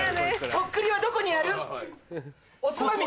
とっくりはどこにある？